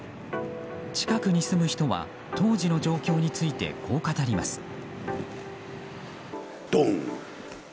近くに住む人は当時の状況についてこう語ります。